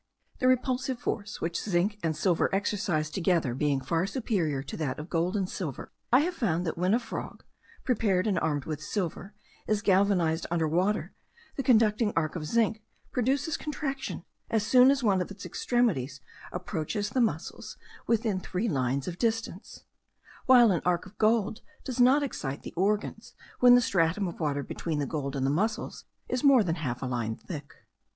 The repulsive force which zinc and silver exercise together being far superior to that of gold and silver, I have found that when a frog, prepared and armed with silver, is galvanized under water, the conducting arc of zinc produces contraction as soon as one of its extremities approaches the muscles within three lines distance; while an arc of gold does not excite the organs, when the stratum of water between the gold and the muscles is more than half a line thick.